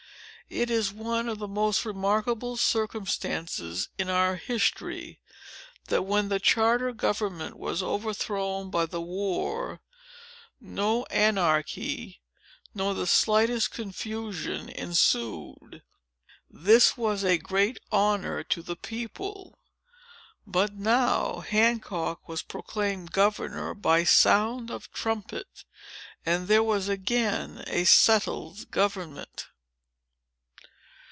It is one of the most remarkable circumstances in our history, that, when the charter government was overthrown by the war, no anarchy, nor the slightest confusion ensued. This was a great honor to the people. But now, Hancock was proclaimed governor by sound of trumpet; and there was again a settled government."